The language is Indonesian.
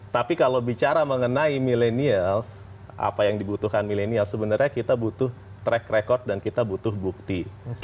tapi kalau bicara mengenai millennials apa yang dibutuhkan milenial sebenarnya kita butuh track record dan kita butuh bukti